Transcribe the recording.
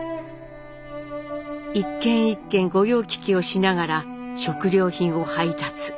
一軒一軒御用聞きをしながら食料品を配達。